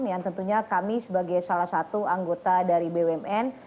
yang tentunya kami sebagai salah satu anggota dari bumn